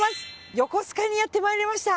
横須賀にやってまいりました！